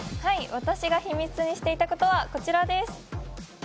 私が秘密にしていたものはこちらです。